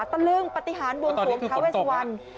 ตะเริ่งปฏิหารวงศวงธาเวสวรรค์